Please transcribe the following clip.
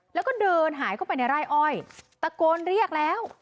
แล้วก็เดินหายเข้าไปในไร่อ้อยตะโกนเรียกแล้ว